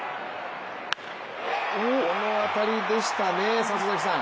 この当たりでしたね、里崎さん。